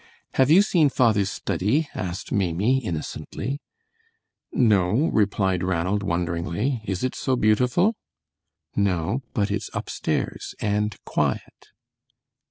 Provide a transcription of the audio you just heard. "Have you seen father's study?" asked Maimie, innocently. "No," replied Ranald, wonderingly. "Is it so beautiful?" "No, but it's upstairs, and quiet."